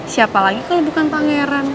siapa lagi kalau bukan pangeran